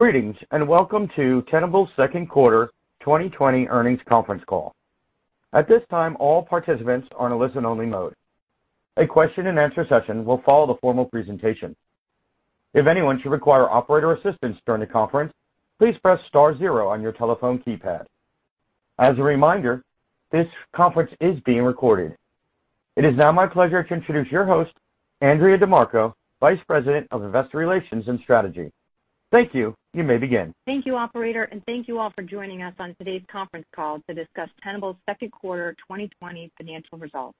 Greetings and welcome to Tenable's Second Quarter 2020 Earnings Conference Call. At this time, all participants are in a listen-only mode. A question-and-answer session will follow the formal presentation. If anyone should require operator assistance during the conference, please press star zero on your telephone keypad. As a reminder, this conference is being recorded. It is now my pleasure to introduce your host, Andrea DiMarco, Vice President of Investor Relations and Strategy. Thank you. You may begin. Thank you, Operator, and thank you all for joining us on today's conference call to discuss Tenable's Second Quarter 2020 financial results.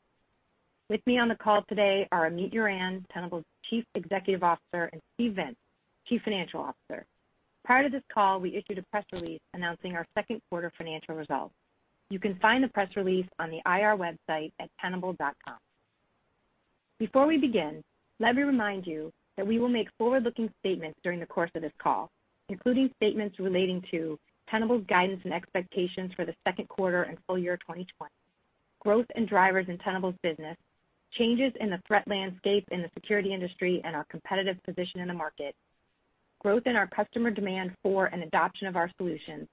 With me on the call today are Amit Yoran, Tenable's Chief Executive Officer, and Steve Vintz, Chief Financial Officer. Prior to this call, we issued a press release announcing our second quarter financial results. You can find the press release on the IR website at tenable.com. Before we begin, let me remind you that we will make forward-looking statements during the course of this call, including statements relating to Tenable's guidance and expectations for the second quarter and full year 2020, growth and drivers in Tenable's business, changes in the threat landscape in the security industry and our competitive position in the market, growth in our customer demand for and adoption of our solutions,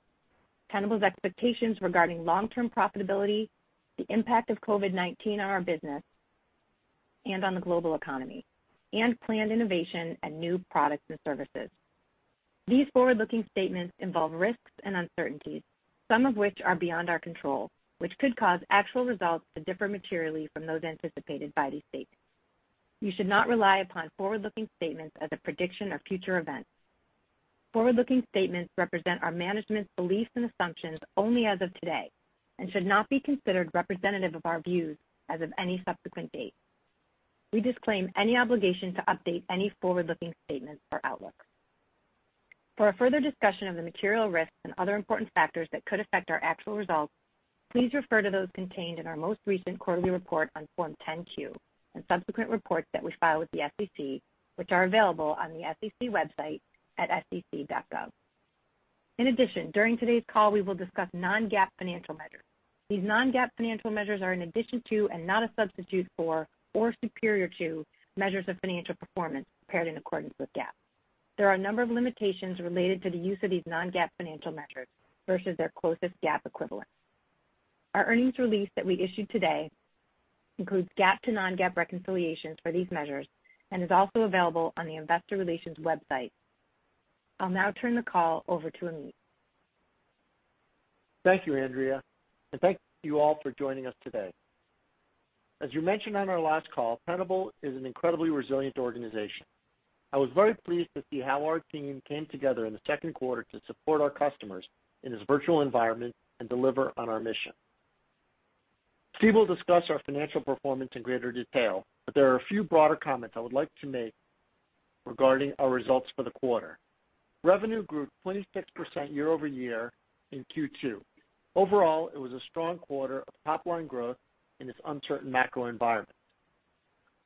Tenable's expectations regarding long-term profitability, the impact of COVID-19 on our business and on the global economy, and planned innovation and new products and services. These forward-looking statements involve risks and uncertainties, some of which are beyond our control, which could cause actual results to differ materially from those anticipated by these statements. You should not rely upon forward-looking statements as a prediction of future events. Forward-looking statements represent our management's beliefs and assumptions only as of today and should not be considered representative of our views as of any subsequent date. We disclaim any obligation to update any forward-looking statements or outlook. For further discussion of the material risks and other important factors that could affect our actual results, please refer to those contained in our most recent quarterly report on Form 10-Q and subsequent reports that we file with the SEC, which are available on the SEC website at sec.gov. In addition, during today's call, we will discuss non-GAAP financial measures. These non-GAAP financial measures are in addition to and not a substitute for or superior to measures of financial performance prepared in accordance with GAAP. There are a number of limitations related to the use of these non-GAAP financial measures versus their closest GAAP equivalents. Our earnings release that we issued today includes GAAP to non-GAAP reconciliations for these measures and is also available on the Investor Relations website. I'll now turn the call over to Amit. Thank you, Andrea, and thank you all for joining us today. As you mentioned on our last call, Tenable is an incredibly resilient organization. I was very pleased to see how our team came together in the second quarter to support our customers in this virtual environment and deliver on our mission. Steve will discuss our financial performance in greater detail, but there are a few broader comments I would like to make regarding our results for the quarter. Revenue grew 26% year over year in Q2. Overall, it was a strong quarter of top-line growth in this uncertain macro environment.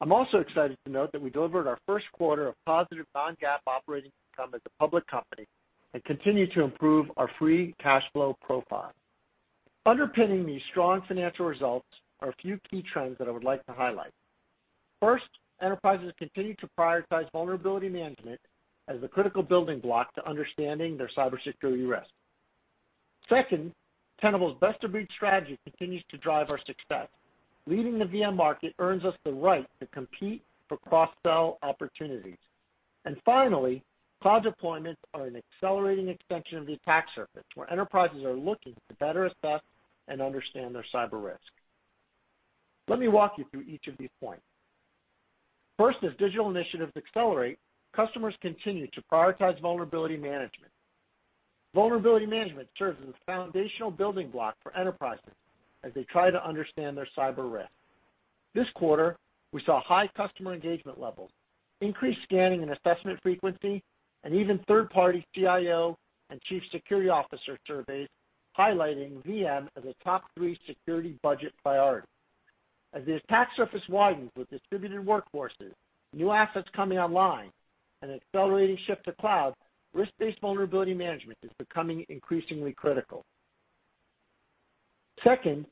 I'm also excited to note that we delivered our first quarter of positive non-GAAP operating income as a public company and continue to improve our free cash flow profile. Underpinning these strong financial results are a few key trends that I would like to highlight. First, enterprises continue to prioritize vulnerability management as the critical building block to understanding their cybersecurity risk. Second, Tenable's best-of-breed strategy continues to drive our success. Leading the VM market earns us the right to compete for cross-sell opportunities. And finally, cloud deployments are an accelerating extension of the attack surface where enterprises are looking to better assess and understand their cyber risk. Let me walk you through each of these points. First, as digital initiatives accelerate, customers continue to prioritize vulnerability management. Vulnerability management serves as a foundational building block for enterprises as they try to understand their cyber risk. This quarter, we saw high customer engagement levels, increased scanning and assessment frequency, and even third-party CIO and Chief Security Officer surveys highlighting VM as a top three security budget priority. As the attack surface widens with distributed workforces, new assets coming online, and an accelerating shift to cloud, risk-based vulnerability management is becoming increasingly critical. Second,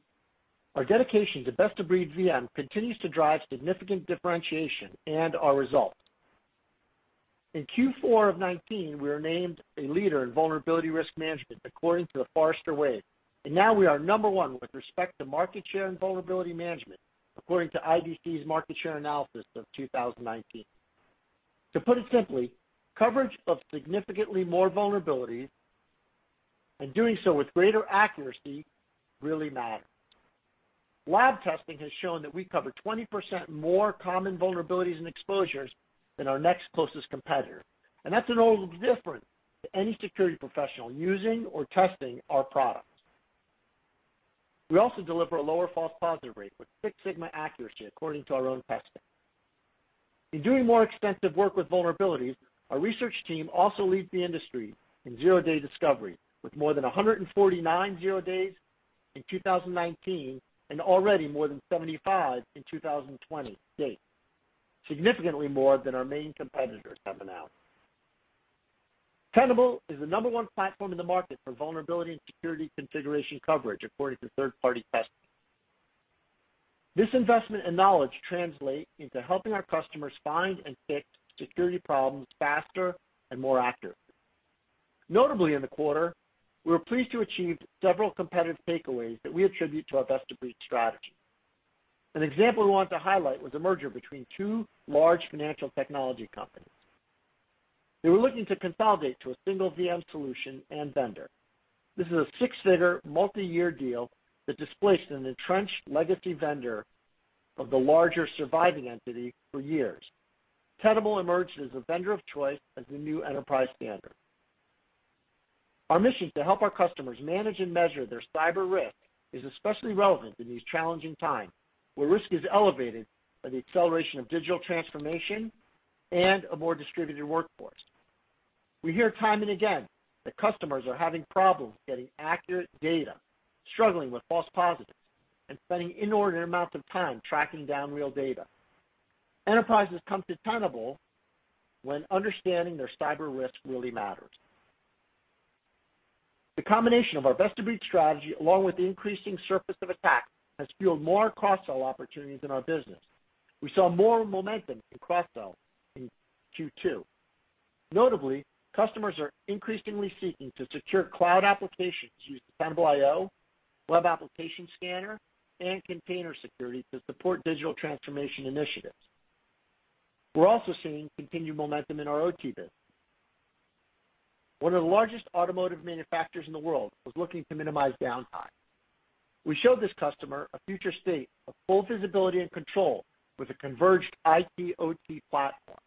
our dedication to best-of-breed VM continues to drive significant differentiation and our results. In Q4 of 2019, we were named a leader in vulnerability risk management according to the Forrester Wave, and now we are number one with respect to market share and vulnerability management according to IDC's market share analysis of 2019. To put it simply, coverage of significantly more vulnerabilities and doing so with greater accuracy really matters. Lab testing has shown that we cover 20% more common vulnerabilities and exposures than our next closest competitor, and that's a bold difference to any security professional using or testing our products. We also deliver a lower false positive rate with Six Sigma accuracy according to our own testing. In doing more extensive work with vulnerabilities, our research team also leads the industry in zero-day discovery with more than 149 zero days in 2019 and already more than 75 in 2020 to date, significantly more than our main competitors have announced. Tenable is the number one platform in the market for vulnerability and security configuration coverage according to third-party testing. This investment and knowledge translate into helping our customers find and fix security problems faster and more accurately. Notably, in the quarter, we were pleased to achieve several competitive takeaways that we attribute to our best-of-breed strategy. An example we wanted to highlight was a merger between two large financial technology companies. They were looking to consolidate to a single VM solution and vendor. This is a six-figure multi-year deal that displaced an entrenched legacy vendor of the larger surviving entity for years. Tenable emerged as a vendor of choice as the new enterprise standard. Our mission is to help our customers manage and measure their cyber risk. It is especially relevant in these challenging times where risk is elevated by the acceleration of digital transformation and a more distributed workforce. We hear time and again that customers are having problems getting accurate data, struggling with false positives, and spending inordinate amounts of time tracking down real data. Enterprises come to Tenable when understanding their cyber risk really matters. The combination of our best-of-breed strategy along with the increasing surface of attack has fueled more cross-sell opportunities in our business. We saw more momentum in cross-sell in Q2. Notably, customers are increasingly seeking to secure cloud applications using Tenable.io, web application scanner, and container security to support digital transformation initiatives. We're also seeing continued momentum in our OT business. One of the largest automotive manufacturers in the world was looking to minimize downtime. We showed this customer a future state of full visibility and control with a converged IT OT platform.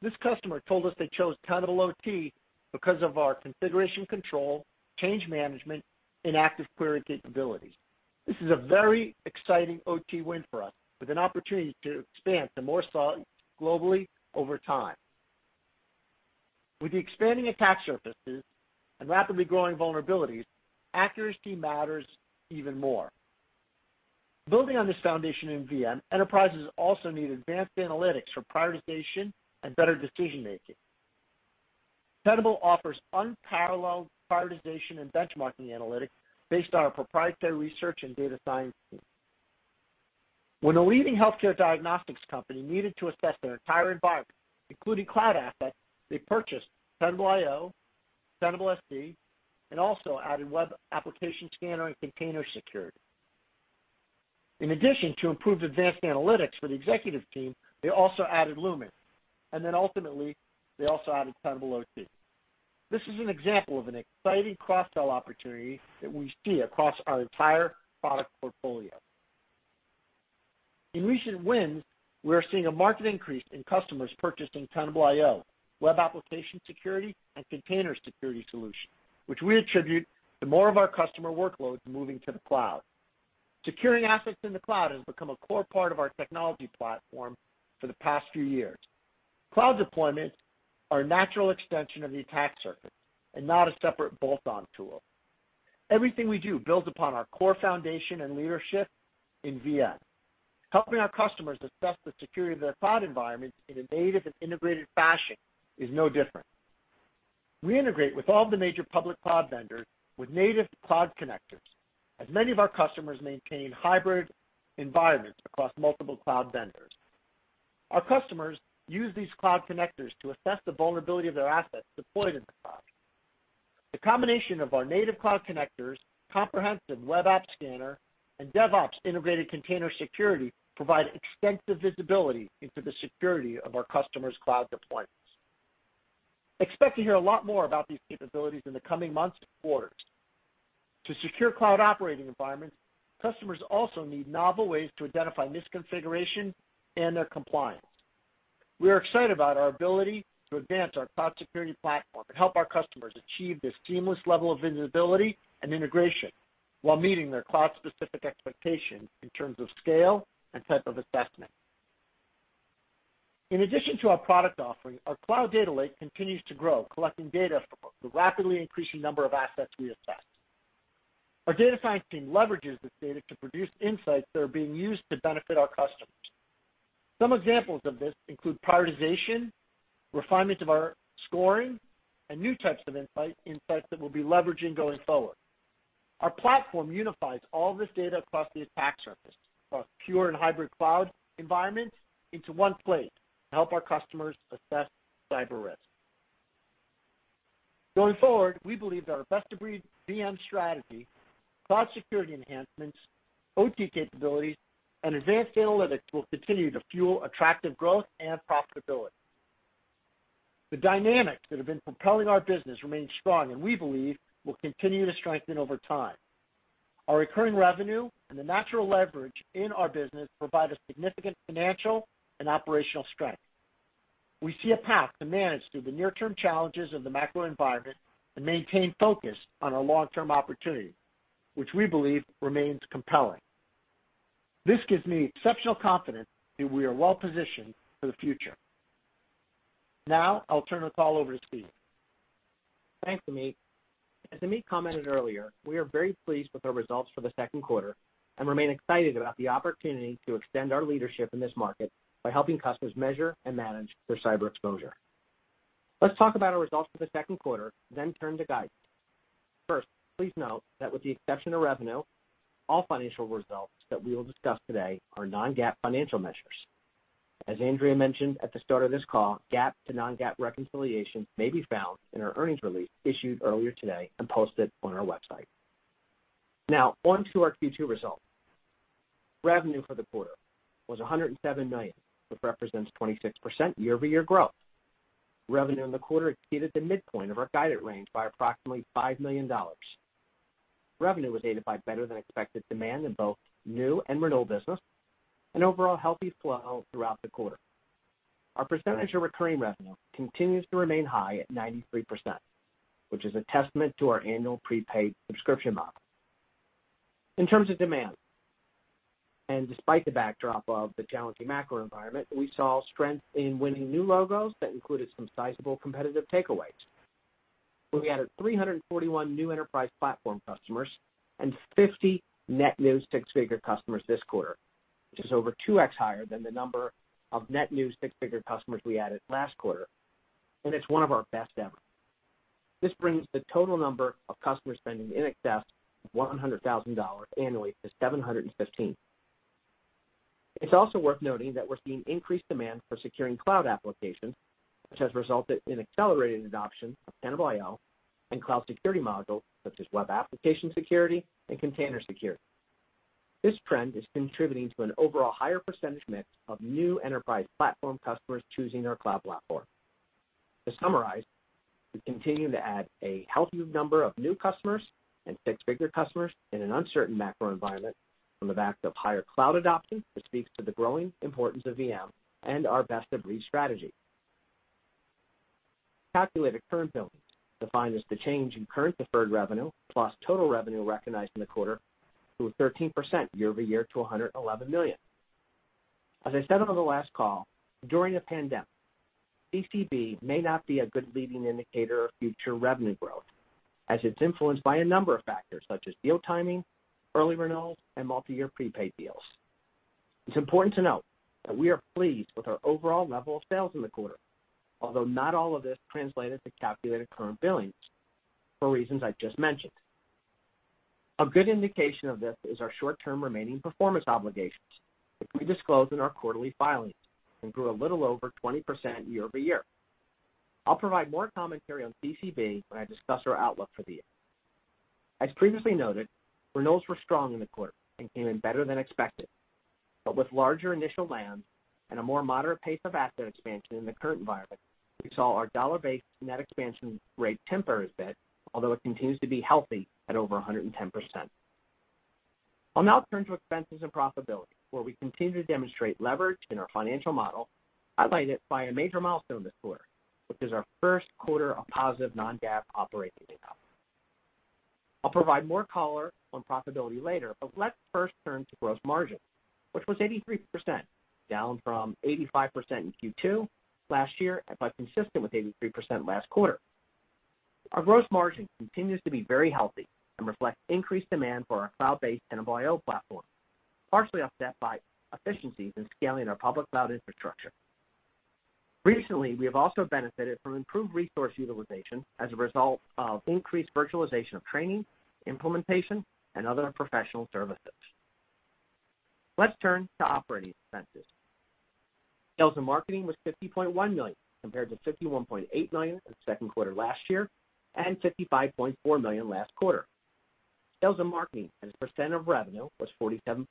This customer told us they chose Tenable.ot because of our configuration control, change management, and active query capabilities. This is a very exciting OT win for us with an opportunity to expand to more sites globally over time. With the expanding attack surfaces and rapidly growing vulnerabilities, accuracy matters even more. Building on this foundation in VM, enterprises also need advanced analytics for prioritization and better decision-making. Tenable offers unparalleled prioritization and benchmarking analytics based on our proprietary research and data science team. When a leading healthcare diagnostics company needed to assess their entire environment, including cloud assets, they purchased Tenable.io, Tenable.sc, and also added web application scanner and container security. In addition to improved advanced analytics for the executive team, they also added Lumin, and then ultimately, they also added Tenable.ot. This is an example of an exciting cross-sell opportunity that we see across our entire product portfolio. In recent wins, we're seeing a marked increase in customers purchasing Tenable.io, web application security, and container security solutions, which we attribute to more of our customer workloads moving to the cloud. Securing assets in the cloud has become a core part of our technology platform for the past few years. Cloud deployments are a natural extension of the attack surface and not a separate bolt-on tool. Everything we do builds upon our core foundation and leadership in VM. Helping our customers assess the security of their cloud environments in a native and integrated fashion is no different. We integrate with all the major public cloud vendors with native cloud connectors, as many of our customers maintain hybrid environments across multiple cloud vendors. Our customers use these cloud connectors to assess the vulnerability of their assets deployed in the cloud. The combination of our native cloud connectors, comprehensive web app scanner, and DevOps integrated container security provides extensive visibility into the security of our customers' cloud deployments. Expect to hear a lot more about these capabilities in the coming months and quarters. To secure cloud operating environments, customers also need novel ways to identify misconfiguration and their compliance. We are excited about our ability to advance our cloud security platform and help our customers achieve this seamless level of visibility and integration while meeting their cloud-specific expectations in terms of scale and type of assessment. In addition to our product offering, our cloud data lake continues to grow, collecting data from the rapidly increasing number of assets we assess. Our data science team leverages this data to produce insights that are being used to benefit our customers. Some examples of this include prioritization, refinement of our scoring, and new types of insights that we'll be leveraging going forward. Our platform unifies all this data across the attack surface, across pure and hybrid cloud environments into one place to help our customers assess cyber risk. Going forward, we believe that our best-of-breed VM strategy, cloud security enhancements, OT capabilities, and advanced analytics will continue to fuel attractive growth and profitability. The dynamics that have been propelling our business remain strong, and we believe will continue to strengthen over time. Our recurring revenue and the natural leverage in our business provide a significant financial and operational strength. We see a path to manage through the near-term challenges of the macro environment and maintain focus on our long-term opportunity, which we believe remains compelling. This gives me exceptional confidence that we are well-positioned for the future. Now, I'll turn the call over to Steve. Thanks, Amit. As Amit commented earlier, we are very pleased with our results for the second quarter and remain excited about the opportunity to extend our leadership in this market by helping customers measure and manage their cyber exposure. Let's talk about our results for the second quarter, then turn to guidance. First, please note that with the exception of revenue, all financial results that we will discuss today are non-GAAP financial measures. As Andrea mentioned at the start of this call, GAAP to non-GAAP reconciliations may be found in our earnings release issued earlier today and posted on our website. Now, onto our Q2 results. Revenue for the quarter was $107 million, which represents 26% year-over-year growth. Revenue in the quarter exceeded the midpoint of our guided range by approximately $5 million. Revenue was aided by better-than-expected demand in both new and renewal business and overall healthy flow throughout the quarter. Our percentage of recurring revenue continues to remain high at 93%, which is a testament to our annual prepaid subscription model. In terms of demand, and despite the backdrop of the challenging macro environment, we saw strength in winning new logos that included some sizable competitive takeaways. We added 341 new enterprise platform customers and 50 net new six-figure customers this quarter, which is over 2X higher than the number of net new six-figure customers we added last quarter, and it's one of our best ever. This brings the total number of customers spending in excess of $100,000 annually to 715. It's also worth noting that we're seeing increased demand for securing cloud applications, which has resulted in accelerated adoption of Tenable.io and cloud security modules such as web application security and container security. This trend is contributing to an overall higher percentage mix of new enterprise platform customers choosing our cloud platform. To summarize, we continue to add a healthy number of new customers and six-figure customers in an uncertain macro environment on the back of higher cloud adoption that speaks to the growing importance of VM and our best-of-breed strategy. Calculated Current Billings defined as the change in current deferred revenue plus total revenue recognized in the quarter grew 13% year-over-year to $111 million. As I said on the last call, during a pandemic, CCB may not be a good leading indicator of future revenue growth as it's influenced by a number of factors such as deal timing, early renewals, and multi-year prepaid deals. It's important to note that we are pleased with our overall level of sales in the quarter, although not all of this translated to calculated current billing for reasons I just mentioned. A good indication of this is our short-term remaining performance obligations, which we disclosed in our quarterly filings and grew a little over 20% year-over-year. I'll provide more commentary on CCB when I discuss our outlook for the year. As previously noted, renewals were strong in the quarter and came in better than expected, but with larger initial lands and a more moderate pace of asset expansion in the current environment, we saw our dollar-based net expansion rate temper to 118%, although it continues to be healthy at over 110%. I'll now turn to expenses and profitability, where we continue to demonstrate leverage in our financial model highlighted by a major milestone this quarter, which is our first quarter of positive non-GAAP operating income. I'll provide more color on profitability later, but let's first turn to gross margins, which was 83%, down from 85% in Q2 last year and consistent with 83% last quarter. Our gross margin continues to be very healthy and reflects increased demand for our cloud-based Tenable.io platform, partially offset by efficiencies in scaling our public cloud infrastructure. Recently, we have also benefited from improved resource utilization as a result of increased virtualization of training, implementation, and other professional services. Let's turn to operating expenses. Sales and marketing was $50.1 million compared to $51.8 million in the second quarter last year and $55.4 million last quarter. Sales and marketing and a percent of revenue was 47%,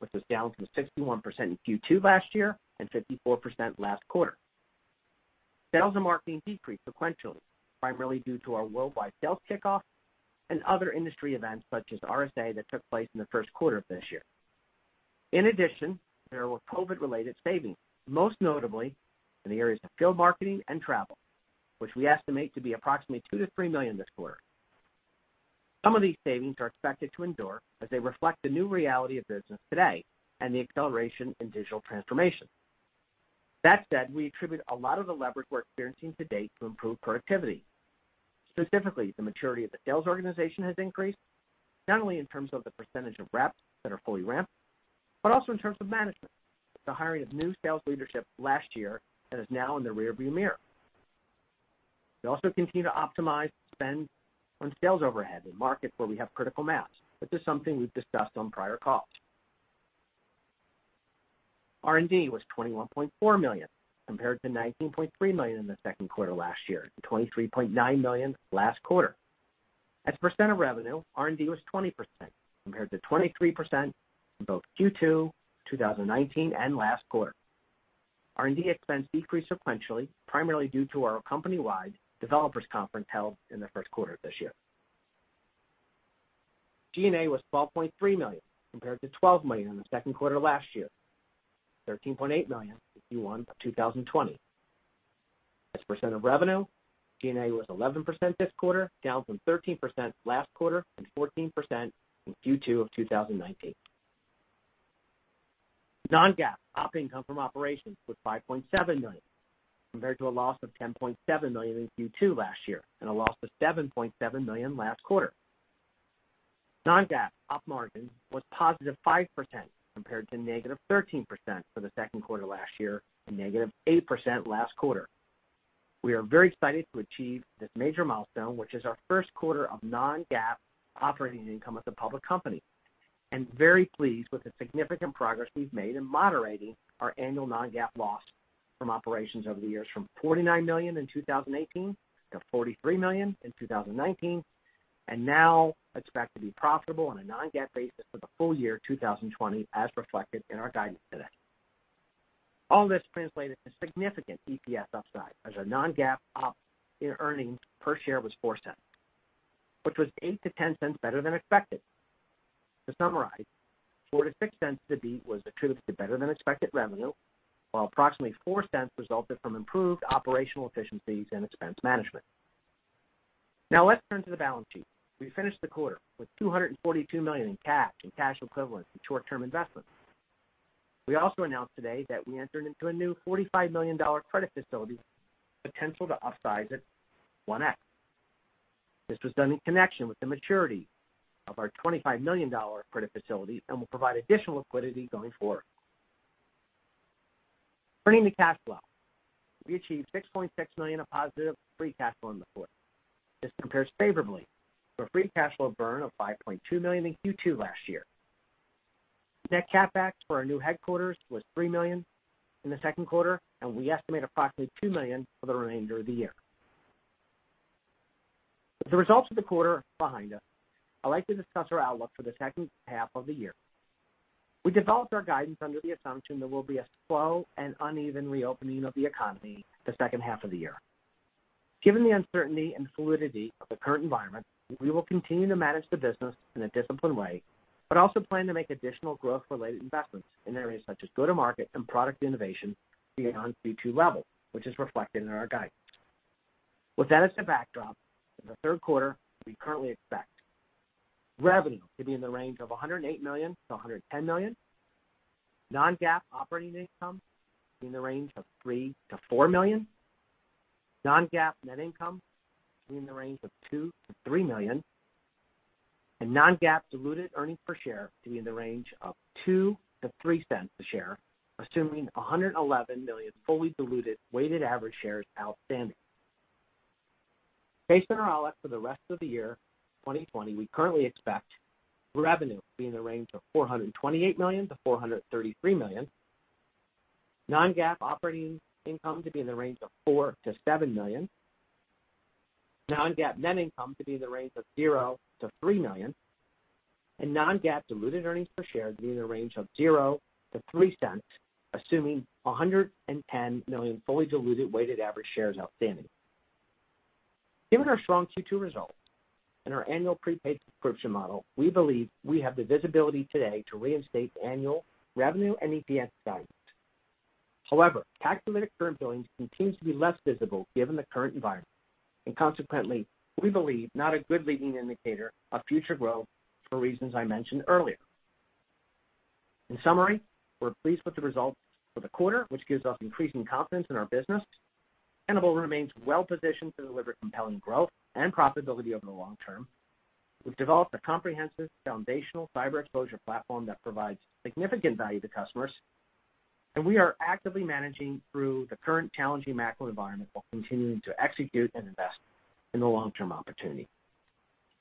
which was down from 61% in Q2 last year and 54% last quarter. Sales and marketing decreased sequentially, primarily due to our worldwide sales kickoff and other industry events such as RSA that took place in the first quarter of this year. In addition, there were COVID-related savings, most notably in the areas of field marketing and travel, which we estimate to be approximately $2-$3 million this quarter. Some of these savings are expected to endure as they reflect the new reality of business today and the acceleration in digital transformation. That said, we attribute a lot of the leverage we're experiencing today to improved productivity. Specifically, the maturity of the sales organization has increased, not only in terms of the percentage of reps that are fully ramped, but also in terms of management, with the hiring of new sales leadership last year that is now in the rearview mirror. We also continue to optimize spend on sales overhead in markets where we have critical mass. This is something we've discussed on prior calls. R&D was $21.4 million compared to $19.3 million in the second quarter last year and $23.9 million last quarter. As a percent of revenue, R&D was 20% compared to 23% in both Q2, 2019, and last quarter. R&D expense decreased sequentially, primarily due to our company-wide developers conference held in the first quarter of this year. G&A was $12.3 million compared to $12 million in the second quarter last year, $13.8 million in Q1 of 2020. As a percent of revenue, G&A was 11% this quarter, down from 13% last quarter and 14% in Q2 of 2019. Non-GAAP operating income from operations was $5.7 million compared to a loss of $10.7 million in Q2 last year and a loss of $7.7 million last quarter. Non-GAAP op margin was positive 5% compared to negative 13% for the second quarter last year and negative 8% last quarter. We are very excited to achieve this major milestone, which is our first quarter of non-GAAP operating income as a public company, and very pleased with the significant progress we've made in moderating our annual non-GAAP loss from operations over the years from $49 million in 2018 to $43 million in 2019, and now expect to be profitable on a non-GAAP basis for the full year 2020 as reflected in our guidance today. All this translated to significant EPS upside as our non-GAAP operating earnings per share was $0.04, which was $0.08-$0.10 better than expected. To summarize, $0.04-$0.06 to beat was attributed to better-than-expected revenue, while approximately $0.04 resulted from improved operational efficiencies and expense management. Now, let's turn to the balance sheet. We finished the quarter with $242 million in cash and cash equivalents and short-term investments. We also announced today that we entered into a new $45 million credit facility, potential to upsize it 1X. This was done in connection with the maturity of our $25 million credit facility and will provide additional liquidity going forward. Turning to cash flow, we achieved $6.6 million of positive free cash flow in the quarter. This compares favorably to a free cash flow burn of $5.2 million in Q2 last year. Net capex for our new headquarters was $3 million in the second quarter, and we estimate approximately $2 million for the remainder of the year. With the results of the quarter behind us, I'd like to discuss our outlook for the second half of the year. We developed our guidance under the assumption there will be a slow and uneven reopening of the economy the second half of the year. Given the uncertainty and fluidity of the current environment, we will continue to manage the business in a disciplined way, but also plan to make additional growth-related investments in areas such as go-to-market and product innovation beyond Q2 level, which is reflected in our guidance. With that as the backdrop, in the third quarter, we currently expect revenue to be in the range of $108 million-$110 million, non-GAAP operating income in the range of $3 million-$4 million, non-GAAP net income in the range of $2 million-$3 million, and non-GAAP diluted earnings per share to be in the range of $0.02-$0.03 per share, assuming 111 million fully diluted weighted average shares outstanding. Based on our outlook for the rest of the year 2020, we currently expect revenue to be in the range of $428 million-$433 million, non-GAAP operating income to be in the range of $4 million-$7 million, non-GAAP net income to be in the range of $0-$3 million, and non-GAAP diluted earnings per share to be in the range of $0.00-$0.03, assuming 110 million fully diluted weighted average shares outstanding. Given our strong Q2 results and our annual prepaid subscription model, we believe we have the visibility today to reinstate annual revenue and EPS guidance. However, calculated current billing continues to be less visible given the current environment, and consequently, we believe not a good leading indicator of future growth for reasons I mentioned earlier. In summary, we're pleased with the results for the quarter, which gives us increasing confidence in our business. Tenable remains well-positioned to deliver compelling growth and profitability over the long term. We've developed a comprehensive foundational cyber exposure platform that provides significant value to customers, and we are actively managing through the current challenging macro environment while continuing to execute and invest in the long-term opportunity,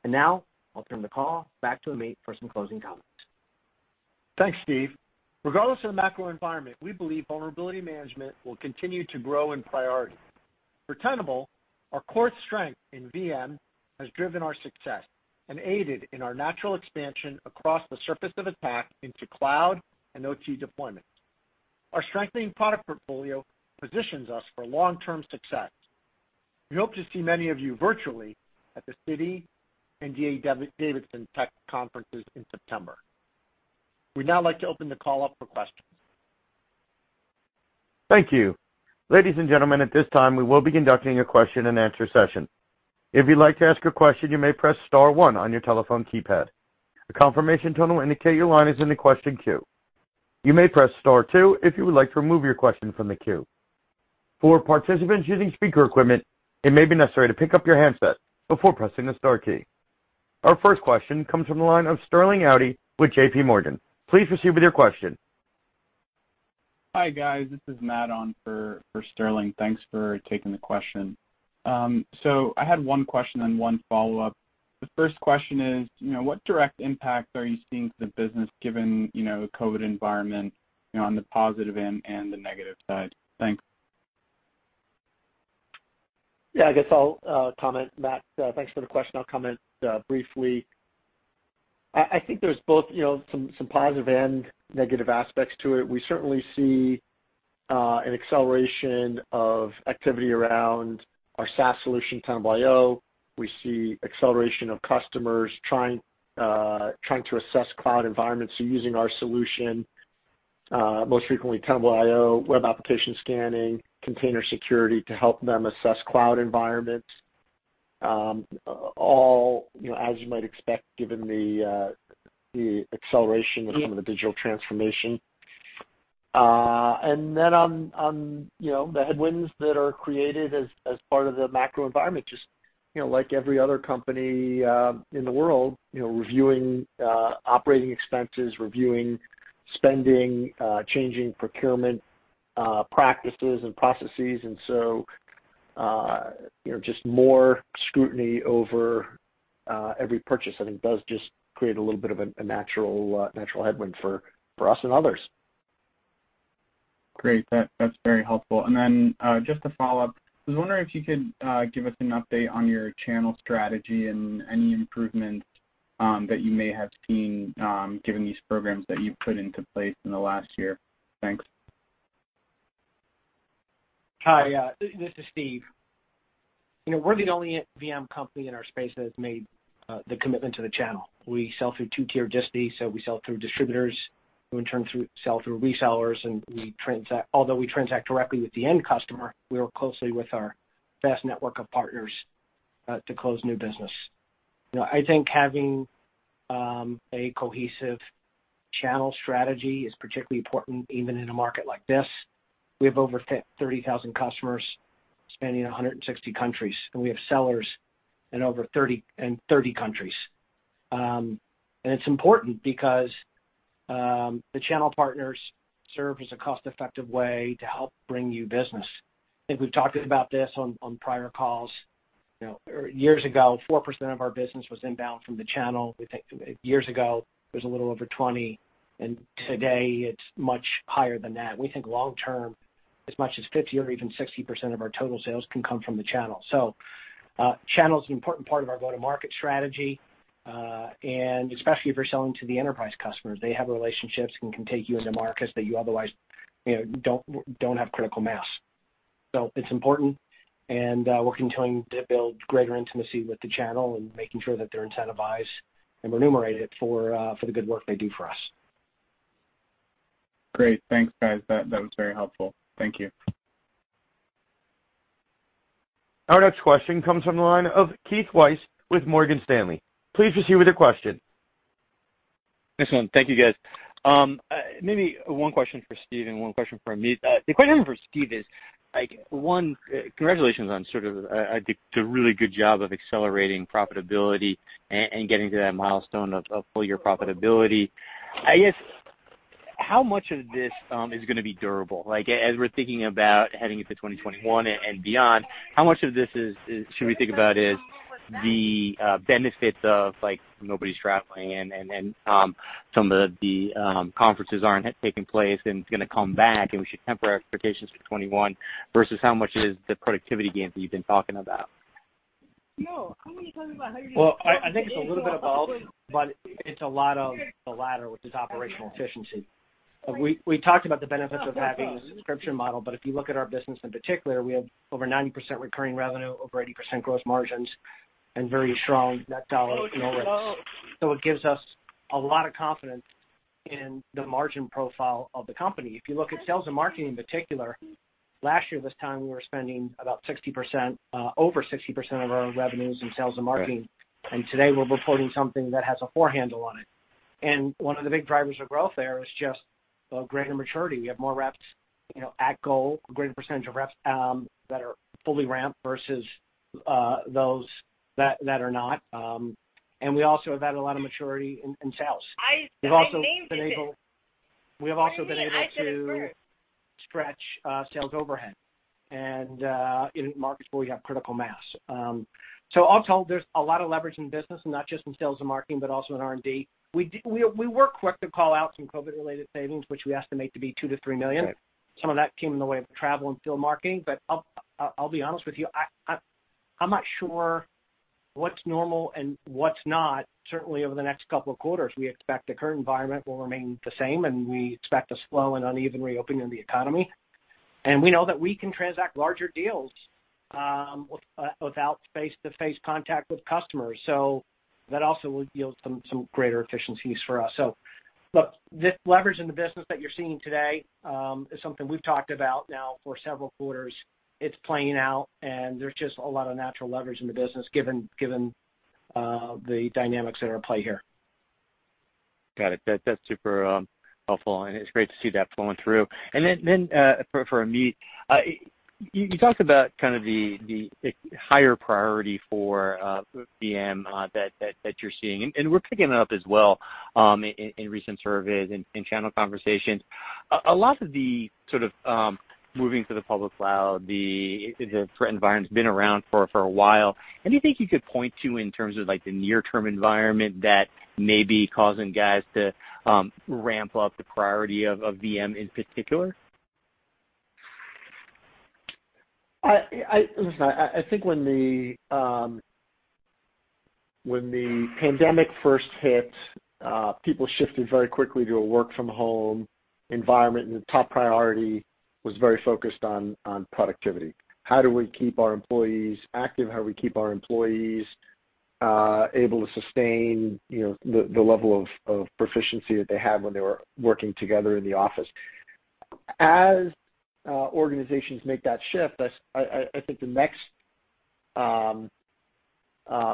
and now, I'll turn the call back to Amit for some closing comments. Thanks, Steve. Regardless of the macro environment, we believe vulnerability management will continue to grow in priority. For Tenable, our core strength in VM has driven our success and aided in our natural expansion across the attack surface into cloud and OT deployment. Our strengthening product portfolio positions us for long-term success. We hope to see many of you virtually at the Citi and D.A. Davidson Tech conferences in September. We'd now like to open the call up for questions. Thank you. Ladies and gentlemen, at this time, we will be conducting a question-and-answer session. If you'd like to ask a question, you may press star one on your telephone keypad. A confirmation tonal indicator line is in the question queue. You may press star two if you would like to remove your question from the queue. For participants using speaker equipment, it may be necessary to pick up your handset before pressing the star key. Our first question comes from the line of Sterling Auty with J.P. Morgan. Please proceed with your question. Hi, guys. This is Matt on for Sterling. Thanks for taking the question. So I had one question and one follow-up. The first question is, what direct impact are you seeing to the business given the COVID environment on the positive end and the negative side? Thanks. Yeah, I guess I'll comment. Matt, thanks for the question. I'll comment briefly. I think there's both some positive and negative aspects to it. We certainly see an acceleration of activity around our SaaS solution, Tenable.io. We see acceleration of customers trying to assess cloud environments using our solution, most frequently Tenable.io, web application scanning, container security to help them assess cloud environments, all as you might expect given the acceleration of some of the digital transformation. And then on the headwinds that are created as part of the macro environment, just like every other company in the world, reviewing operating expenses, reviewing spending, changing procurement practices and processes, and so just more scrutiny over every purchase, I think, does just create a little bit of a natural headwind for us and others. Great. That's very helpful. And then just to follow up, I was wondering if you could give us an update on your channel strategy and any improvements that you may have seen given these programs that you've put into place in the last year? Thanks. Hi, this is Steve. We're the only VM company in our space that has made the commitment to the channel. We sell through two-tier disty, so we sell through distributors. We in turn sell through resellers, and although we transact directly with the end customer, we work closely with our vast network of partners to close new business. I think having a cohesive channel strategy is particularly important even in a market like this. We have over 30,000 customers spanning 160 countries, and we have sellers in over 30 countries. It's important because the channel partners serve as a cost-effective way to help bring you business. I think we've talked about this on prior calls. Years ago, 4% of our business was inbound from the channel. Years ago, it was a little over 20%, and today it's much higher than that. We think long-term, as much as 50% or even 60% of our total sales can come from the channel. So channel is an important part of our go-to-market strategy, and especially if you're selling to the enterprise customers. They have relationships and can take you into markets that you otherwise don't have critical mass. So it's important, and we're continuing to build greater intimacy with the channel and making sure that they're incentivized and remunerated for the good work they do for us. Great. Thanks, guys. That was very helpful. Thank you. Our next question comes from the line of Keith Weiss with Morgan Stanley. Please proceed with your question. Excellent. Thank you, guys. Maybe one question for Steve and one question for Amit. The question for Steve is, one, congratulations on sort of the really good job of accelerating profitability and getting to that milestone of full-year profitability. I guess how much of this is going to be durable? As we're thinking about heading into 2021 and beyond, how much of this should we think about is the benefit of nobody's traveling and some of the conferences aren't taking place and it's going to come back and we should temper our expectations for 2021 versus how much is the productivity gain that you've been talking about? No, I want to talk about how you're going to. I think it's a little bit of both, but it's a lot of the latter, which is operational efficiency. We talked about the benefits of having a subscription model, but if you look at our business in particular, we have over 90% recurring revenue, over 80% gross margins, and very strong net dollar retention rates. So it gives us a lot of confidence in the margin profile of the company. If you look at sales and marketing in particular, last year this time we were spending about 60%, over 60% of our revenues in sales and marketing, and today we're reporting something that has a firm handle on it, and one of the big drivers of growth there is just greater maturity. We have more reps at goal, a greater percentage of reps that are fully ramped versus those that are not. And we also have had a lot of maturity in sales. We've also been able to stretch sales overhead. And in markets where we have critical mass. So all told, there's a lot of leverage in business, not just in sales and marketing, but also in R&D. We were quick to call out some COVID-related savings, which we estimate to be $2 million-$3 million. Some of that came in the way of travel and field marketing, but I'll be honest with you, I'm not sure what's normal and what's not. Certainly, over the next couple of quarters, we expect the current environment will remain the same, and we expect a slow and uneven reopening of the economy. And we know that we can transact larger deals without face-to-face contact with customers, so that also will yield some greater efficiencies for us. Look, this leverage in the business that you're seeing today is something we've talked about now for several quarters. It's playing out, and there's just a lot of natural leverage in the business given the dynamics that are at play here. Got it. That's super helpful, and it's great to see that flowing through. And then for Amit, you talked about kind of the higher priority for VM that you're seeing, and we're picking it up as well in recent surveys and channel conversations. A lot of the sort of moving to the public cloud, the threat environment has been around for a while. Anything you could point to in terms of the near-term environment that may be causing guys to ramp up the priority of VM in particular? Listen, I think when the pandemic first hit, people shifted very quickly to a work-from-home environment, and the top priority was very focused on productivity. How do we keep our employees active? How do we keep our employees able to sustain the level of proficiency that they had when they were working together in the office? As organizations make that shift, I think the next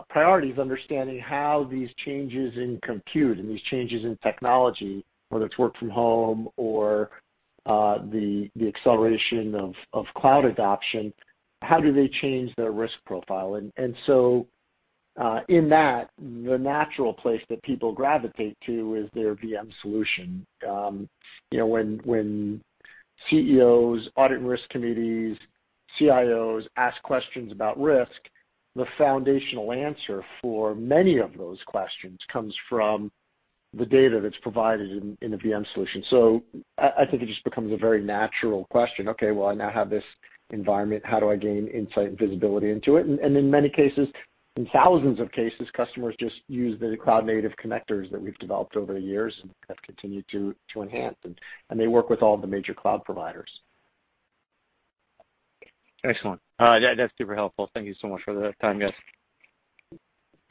priority is understanding how these changes in compute and these changes in technology, whether it's work from home or the acceleration of cloud adoption, how do they change their risk profile? And so in that, the natural place that people gravitate to is their VM solution. When CEOs, audit and risk committees, CIOs ask questions about risk, the foundational answer for many of those questions comes from the data that's provided in a VM solution. So I think it just becomes a very natural question. Okay, well, I now have this environment. How do I gain insight and visibility into it? And in many cases, in thousands of cases, customers just use the cloud-native connectors that we've developed over the years and have continued to enhance, and they work with all the major cloud providers. Excellent. That's super helpful. Thank you so much for the time, guys.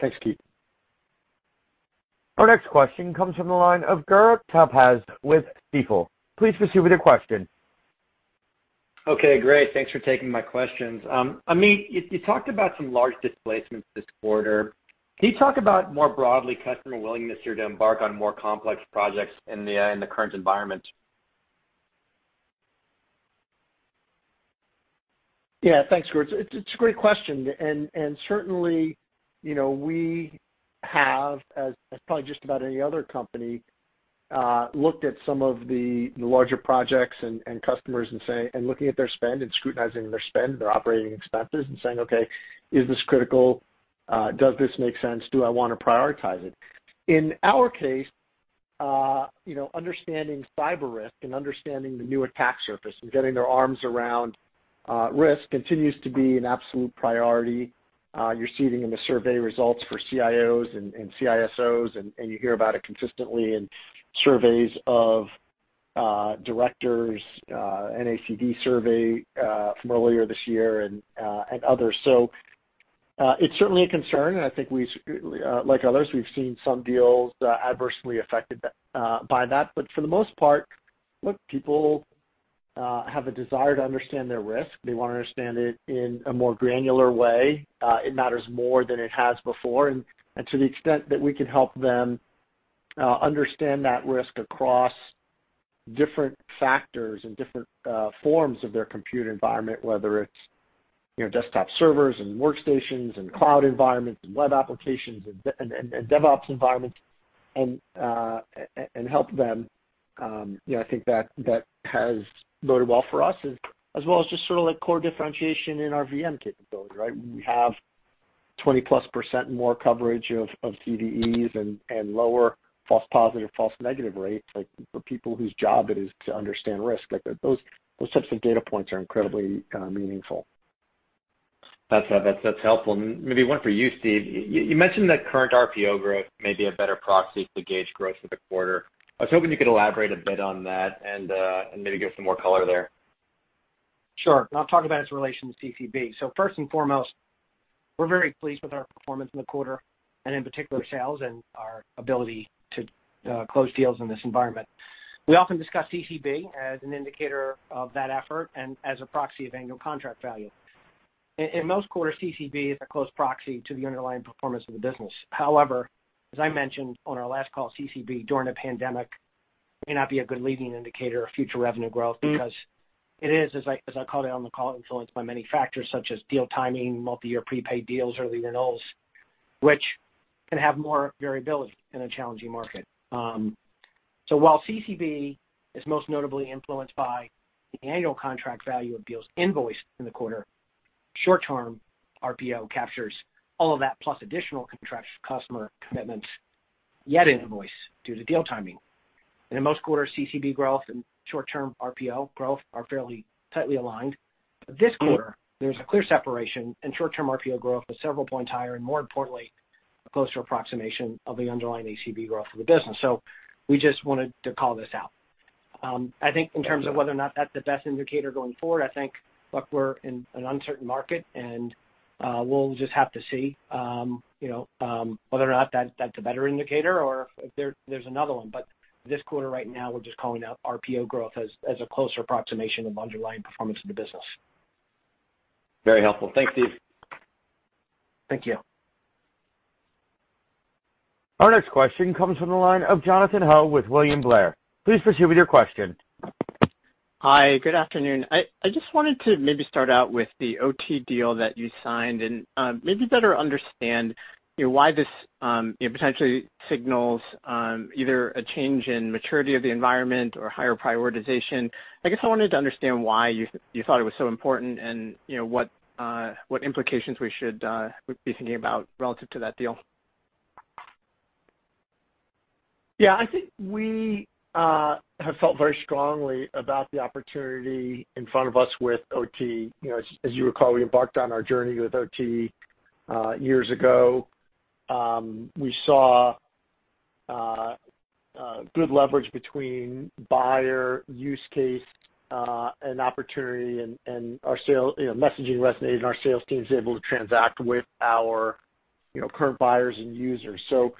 Thanks, Keith. Our next question comes from the line of Gur Talpaz with Stifel. Please proceed with your question. Okay, great. Thanks for taking my questions. Amit, you talked about some large displacements this quarter. Can you talk about more broadly customer willingness here to embark on more complex projects in the current environment? Yeah, thanks, Gur. It's a great question, and certainly, we have, as probably just about any other company, looked at some of the larger projects and customers and looking at their spend and scrutinizing their spend, their operating expenses, and saying, "Okay, is this critical? Does this make sense? Do I want to prioritize it?" In our case, understanding cyber risk and understanding the new attack surface and getting their arms around risk continues to be an absolute priority. You're seeing in the survey results for CIOs and CISOs, and you hear about it consistently in surveys of directors, NACD survey from earlier this year, and others, so it's certainly a concern, and I think like others, we've seen some deals adversely affected by that, but for the most part, look, people have a desire to understand their risk. They want to understand it in a more granular way. It matters more than it has before, and to the extent that we can help them understand that risk across different factors and different forms of their computer environment, whether it's desktop servers and workstations and cloud environments and web applications and DevOps environments, and help them. I think that has loaded well for us, as well as just sort of core differentiation in our VM capability, right? We have 20%+ more coverage of CVEs and lower false positive, false negative rates for people whose job it is to understand risk. Those types of data points are incredibly meaningful. That's helpful. Maybe one for you, Steve. You mentioned that current RPO growth may be a better proxy to gauge growth for the quarter. I was hoping you could elaborate a bit on that and maybe give us some more color there. Sure. I'll talk about its relation to CCB. So first and foremost, we're very pleased with our performance in the quarter, and in particular, sales and our ability to close deals in this environment. We often discuss CCB as an indicator of that effort and as a proxy of annual contract value. In most quarters, CCB is a close proxy to the underlying performance of the business. However, as I mentioned on our last call, CCB during a pandemic may not be a good leading indicator of future revenue growth because it is, as I called it on the call, influenced by many factors such as deal timing, multi-year prepaid deals, early renewals, which can have more variability in a challenging market. While CCB is most notably influenced by the annual contract value of deals invoiced in the quarter, short-term RPO captures all of that plus additional contractual customer commitments yet invoiced due to deal timing. In most quarters, CCB growth and short-term RPO growth are fairly tightly aligned. This quarter, there's a clear separation, and short-term RPO growth is several points higher and, more importantly, a closer approximation of the underlying ACV growth of the business. We just wanted to call this out. I think in terms of whether or not that's the best indicator going forward, I think, look, we're in an uncertain market, and we'll just have to see whether or not that's a better indicator or if there's another one. This quarter right now, we're just calling out RPO growth as a closer approximation of underlying performance of the business. Very helpful. Thanks, Steve. Thank you. Our next question comes from the line of Jonathan Ho with William Blair. Please proceed with your question. Hi, good afternoon. I just wanted to maybe start out with the OT deal that you signed and maybe better understand why this potentially signals either a change in maturity of the environment or higher prioritization. I guess I wanted to understand why you thought it was so important and what implications we should be thinking about relative to that deal. Yeah, I think we have felt very strongly about the opportunity in front of us with OT. As you recall, we embarked on our journey with OT years ago. We saw good leverage between buyer use case and opportunity, and our sales messaging resonated, and our sales team was able to transact with our current buyers and users. So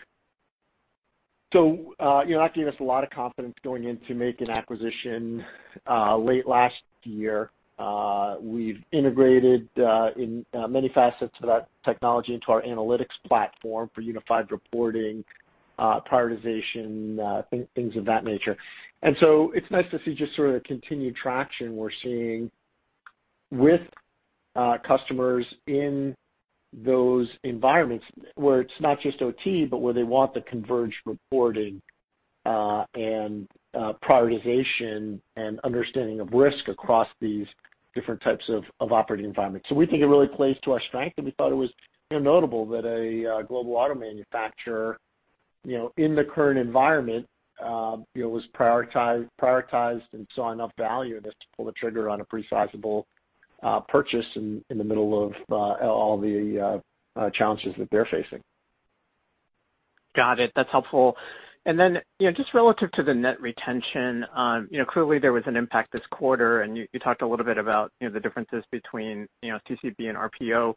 that gave us a lot of confidence going into making acquisition late last year. We've integrated in many facets of that technology into our analytics platform for unified reporting, prioritization, things of that nature. And so it's nice to see just sort of the continued traction we're seeing with customers in those environments where it's not just OT, but where they want the converged reporting and prioritization and understanding of risk across these different types of operating environments. So we think it really plays to our strength, and we thought it was notable that a global auto manufacturer in the current environment was prioritized and saw enough value in this to pull the trigger on a pretty sizable purchase in the middle of all the challenges that they're facing. Got it. That's helpful. And then just relative to the net retention, clearly there was an impact this quarter, and you talked a little bit about the differences between CCB and RPO.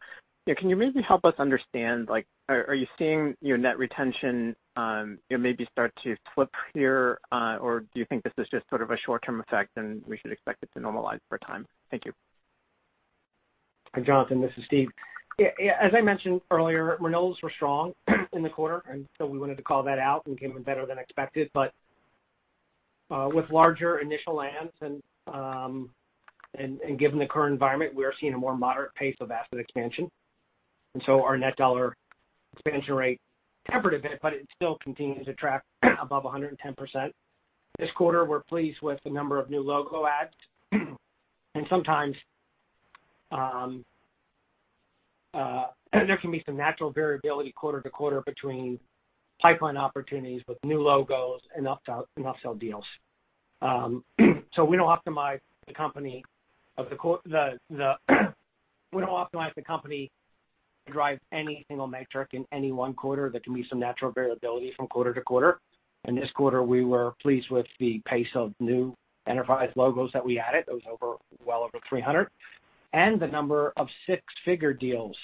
Can you maybe help us understand, are you seeing net retention maybe start to flip here, or do you think this is just sort of a short-term effect and we should expect it to normalize over time? Thank you. Hi, Jonathan. This is Steve. Yeah, as I mentioned earlier, renewals were strong in the quarter, and so we wanted to call that out and came in better than expected, but with larger initial lands and given the current environment, we are seeing a more moderate pace of asset expansion, and so our net dollar expansion rate tempered a bit, but it still continues to track above 110%. This quarter, we're pleased with the number of new logo adds. Sometimes there can be some natural variability quarter to quarter between pipeline opportunities with new logos and upsell deals. We don't optimize the company. We don't optimize the company to drive any single metric in any one quarter. There can be some natural variability from quarter to quarter. This quarter, we were pleased with the pace of new enterprise logos that we added. It was well over 300. The number of six-figure deals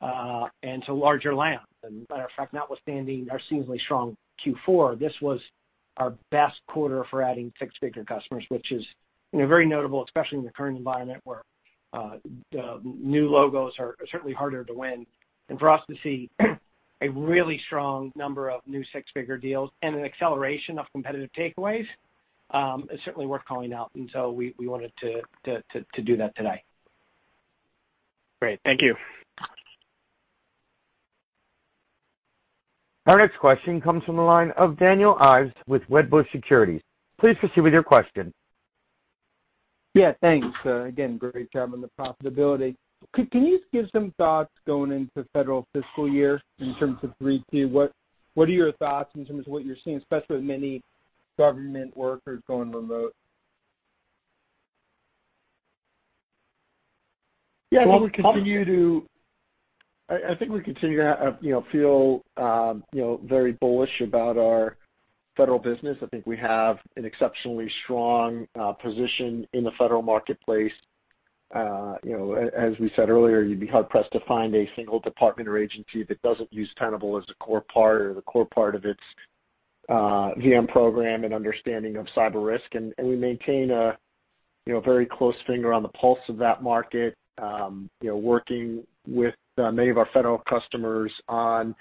and two larger lands. As a matter of fact, notwithstanding our seasonally strong Q4, this was our best quarter for adding six-figure customers, which is very notable, especially in the current environment where new logos are certainly harder to win. For us to see a really strong number of new six-figure deals and an acceleration of competitive takeaways is certainly worth calling out. So we wanted to do that today. Great. Thank you. Our next question comes from the line of Daniel Ives with Wedbush Securities. Please proceed with your question. Yeah, thanks. Again, great job on the profitability. Can you give some thoughts going into the federal fiscal year in terms of 3Q? What are your thoughts in terms of what you're seeing, especially with many government workers going remote? Yeah, I think we continue to feel very bullish about our federal business. I think we have an exceptionally strong position in the federal marketplace. As we said earlier, you'd be hard-pressed to find a single department or agency that doesn't use Tenable as a core part or the core part of its VM program and understanding of cyber risk, and we maintain a very close finger on the pulse of that market, working with many of our federal customers on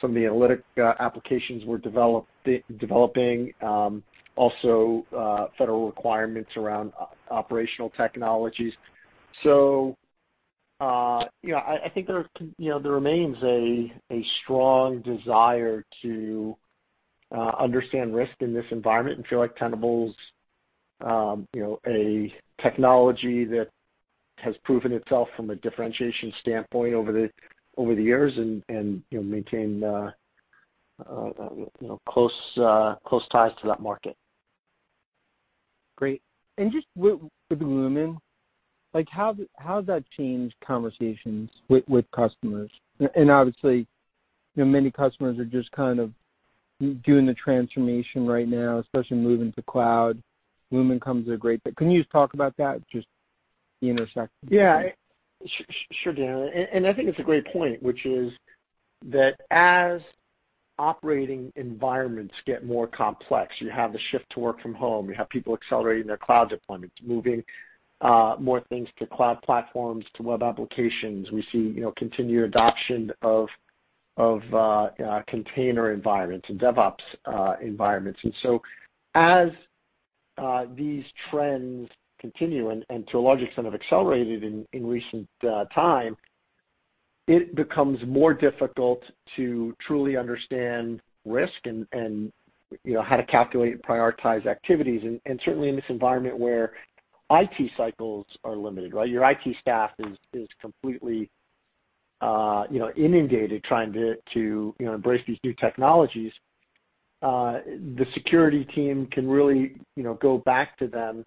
some of the analytic applications we're developing, also federal requirements around operational technologies, so I think there remains a strong desire to understand risk in this environment and feel like Tenable's a technology that has proven itself from a differentiation standpoint over the years and maintain close ties to that market. Great. And just with the Lumin, how has that changed conversations with customers? And obviously, many customers are just kind of doing the transformation right now, especially moving to cloud. Lumin comes at a great. Can you just talk about that? Just the intersection. Yeah, sure, Daniel. And I think it's a great point, which is that as operating environments get more complex, you have the shift to work from home. You have people accelerating their cloud deployments, moving more things to cloud platforms, to web applications. We see continued adoption of container environments and DevOps environments. And so as these trends continue and to a large extent have accelerated in recent time, it becomes more difficult to truly understand risk and how to calculate and prioritize activities. And certainly, in this environment where IT cycles are limited, right? Your IT staff is completely inundated trying to embrace these new technologies. The security team can really go back to them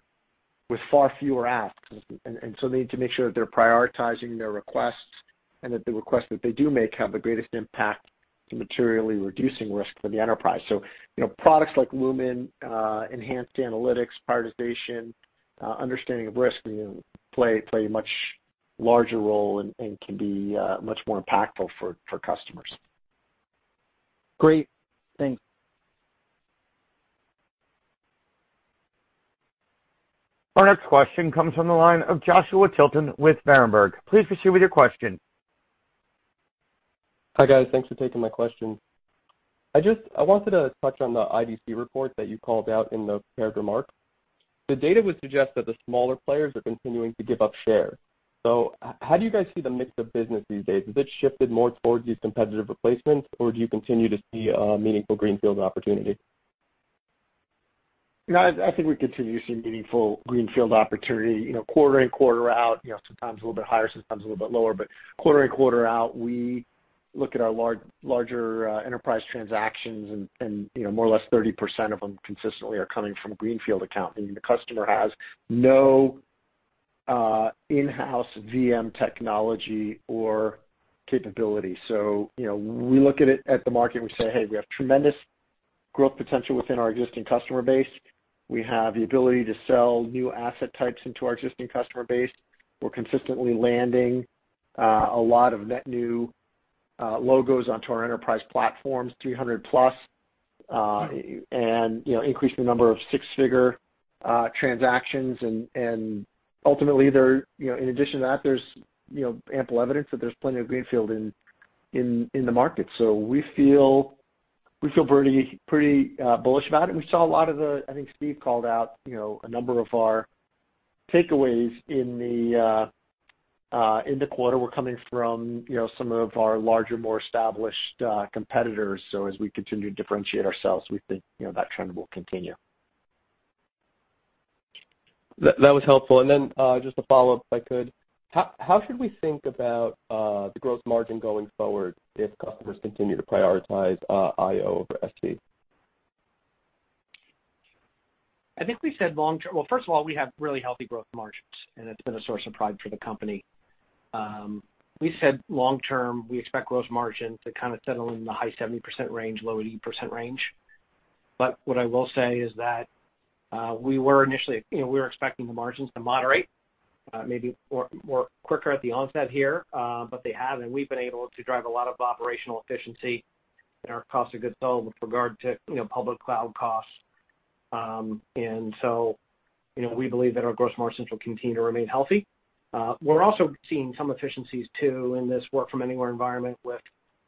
with far fewer asks. And so they need to make sure that they're prioritizing their requests and that the requests that they do make have the greatest impact to materially reducing risk for the enterprise. So products like Lumin, enhanced analytics, prioritization, understanding of risk play a much larger role and can be much more impactful for customers. Great. Thanks. Our next question comes from the line of Joshua Tilton with Berenberg. Please proceed with your question. Hi guys. Thanks for taking my question. I wanted to touch on the IDC report that you called out in the prepared remark. The data would suggest that the smaller players are continuing to give up share. So how do you guys see the mix of business these days? Has it shifted more towards these competitive replacements, or do you continue to see a meaningful greenfield opportunity? I think we continue to see meaningful greenfield opportunity. Quarter in, quarter out, sometimes a little bit higher, sometimes a little bit lower. But quarter in, quarter out, we look at our larger enterprise transactions, and more or less 30% of them consistently are coming from greenfield accounting. The customer has no in-house VM technology or capability. So we look at the market and we say, "Hey, we have tremendous growth potential within our existing customer base. We have the ability to sell new asset types into our existing customer base. We're consistently landing a lot of net new logos onto our enterprise platforms, 300+, and increasing the number of six-figure transactions." And ultimately, in addition to that, there's ample evidence that there's plenty of greenfield in the market. So we feel pretty bullish about it. We saw a lot of the, I think, Steve called out a number of our takeaways in the quarter were coming from some of our larger, more established competitors. As we continue to differentiate ourselves, we think that trend will continue. That was helpful. And then just to follow up, if I could, how should we think about the gross margin going forward if customers continue to prioritize IO over SC? I think we said long-term, well, first of all, we have really healthy gross margins, and it's been a source of pride for the company. We said long-term, we expect gross margin to kind of settle in the high 70% range, low 80% range. But what I will say is that we were initially, we were expecting the margins to moderate, maybe more quicker at the onset here, but they have. And we've been able to drive a lot of operational efficiency, and our costs are good to go with regard to public cloud costs. And so we believe that our gross margins will continue to remain healthy. We're also seeing some efficiencies too in this work-from-anywhere environment with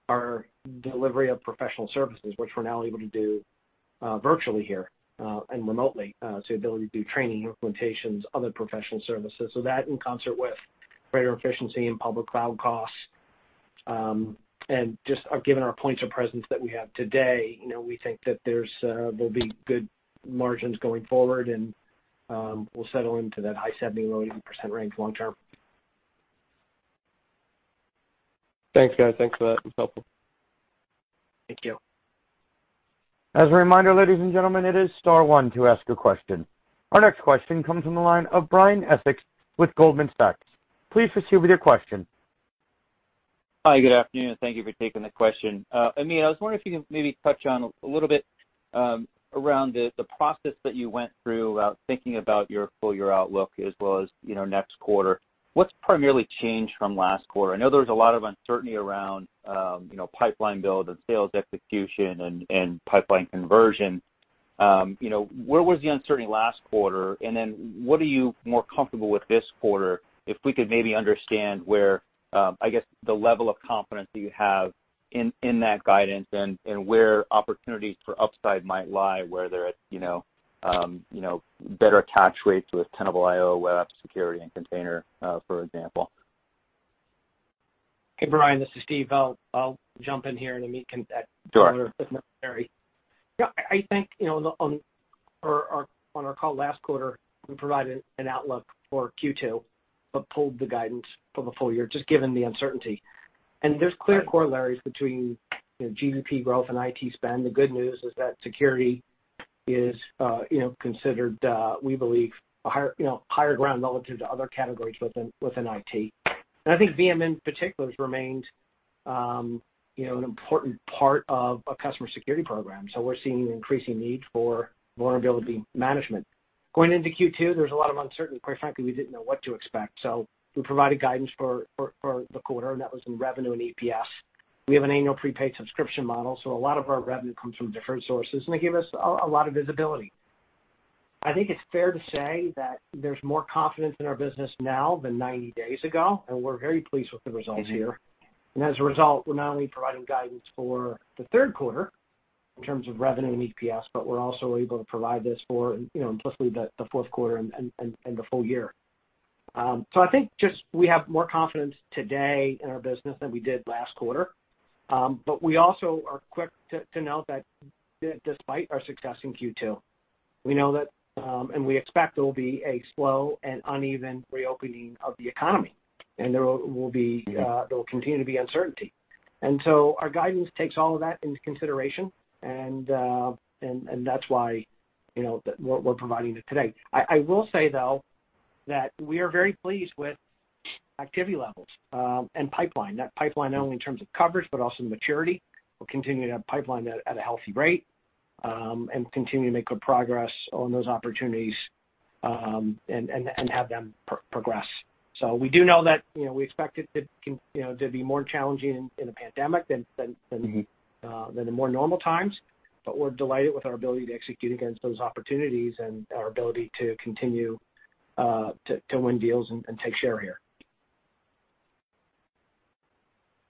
our delivery of professional services, which we're now able to do virtually here and remotely. So the ability to do training, implementations, other professional services. So that in concert with greater efficiency in public cloud costs. And just given our points of presence that we have today, we think that there will be good margins going forward, and we'll settle into that high 70%-low 80% range long-term. Thanks, guys. Thanks for that. It was helpful. Thank you. As a reminder, ladies and gentlemen, it is Star One to ask a question. Our next question comes from the line of Brian Essex with Goldman Sachs. Please proceed with your question. Hi, good afternoon. Thank you for taking the question. I mean, I was wondering if you could maybe touch on a little bit around the process that you went through about thinking about your full year outlook as well as next quarter. What's primarily changed from last quarter? I know there was a lot of uncertainty around pipeline build and sales execution and pipeline conversion. Where was the uncertainty last quarter? And then what are you more comfortable with this quarter? If we could maybe understand where, I guess, the level of confidence that you have in that guidance and where opportunities for upside might lie where they're at better attach rates with Tenable.io, Web App Security, and Container, for example. Hey, Brian, this is Steve. I'll jump in here and meet you if necessary. I think on our call last quarter, we provided an outlook for Q2 but pulled the guidance for the full year just given the uncertainty. And there's clear correlations between GDP growth and IT spend. The good news is that security is considered, we believe, a higher ground relative to other categories within IT. And I think VM in particular has remained an important part of a customer security program. So we're seeing an increasing need for vulnerability management. Going into Q2, there was a lot of uncertainty. Quite frankly, we didn't know what to expect. So we provided guidance for the quarter, and that was in revenue and EPS. We have an annual prepaid subscription model, so a lot of our revenue comes from different sources, and they give us a lot of visibility. I think it's fair to say that there's more confidence in our business now than 90 days ago, and we're very pleased with the results here. And as a result, we're not only providing guidance for the third quarter in terms of revenue and EPS, but we're also able to provide this for, implicitly, the fourth quarter and the full year. So I think just we have more confidence today in our business than we did last quarter. But we also are quick to note that despite our success in Q2, we know that and we expect there will be a slow and uneven reopening of the economy. And there will continue to be uncertainty. And so our guidance takes all of that into consideration, and that's why we're providing it today. I will say, though, that we are very pleased with activity levels and pipeline. That pipeline not only in terms of coverage, but also maturity. We'll continue to have pipeline at a healthy rate and continue to make good progress on those opportunities and have them progress. We do know that we expect it to be more challenging in a pandemic than the more normal times. But we're delighted with our ability to execute against those opportunities and our ability to continue to win deals and take share here.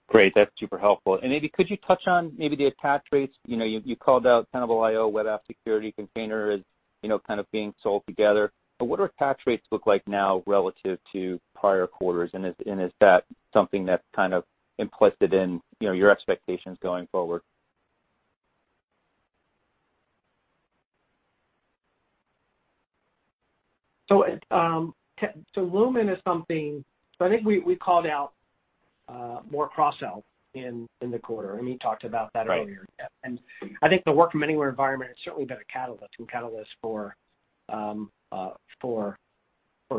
Great. That's super helpful. And maybe could you touch on maybe the attach rates? You called out Tenable.io, Web App Security, Container as kind of being sold together. But what do attach rates look like now relative to prior quarters? And is that something that's kind of implicit in your expectations going forward? So, Lumin is something, so I think we called out more cross-sell in the quarter. I mean, you talked about that earlier. And I think the work-from-anywhere environment has certainly been a catalyst for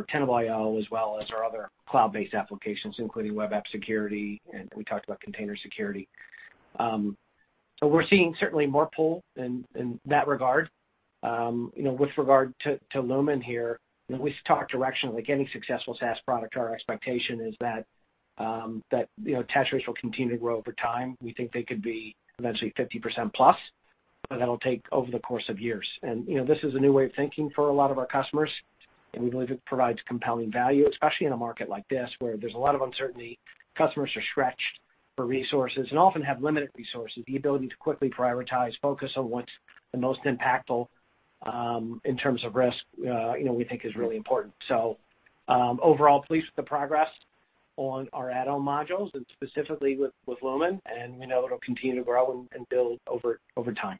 Tenable.io as well as our other cloud-based applications, including Web App Security, and we talked about Container Security. So, we're seeing certainly more pull in that regard. With regard to Lumin here, we talk directionally, like any successful SaaS product. Our expectation is that attach rates will continue to grow over time. We think they could be eventually 50%+, but that'll take over the course of years. And this is a new way of thinking for a lot of our customers. And we believe it provides compelling value, especially in a market like this where there's a lot of uncertainty. Customers are stretched for resources and often have limited resources. The ability to quickly prioritize, focus on what's the most impactful in terms of risk, we think is really important. So overall, pleased with the progress on our add-on modules and specifically with Lumin. And we know it'll continue to grow and build over time.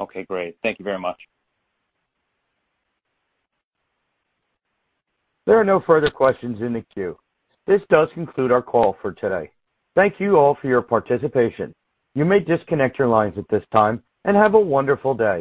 Okay, great. Thank you very much. There are no further questions in the queue. This does conclude our call for today. Thank you all for your participation. You may disconnect your lines at this time and have a wonderful day.